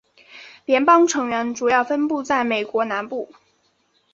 联盟成员主要分布在美国南部。